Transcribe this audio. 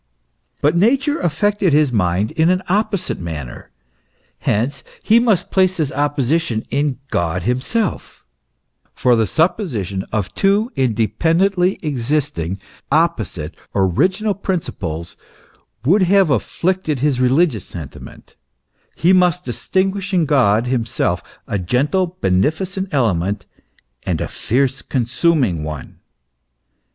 But Nature affected his mind in an opposite manner ; hence he must place this opposition in God himself, for the supposition of two independently existing, opposite, original principles would have afflicted his religious sentiment ; he must distinguish in God himself, a gentle, bene ficent element, and a fierce consuming one.